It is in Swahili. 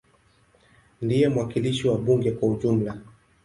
Ndiye mwakilishi wa bunge kwa ujumla.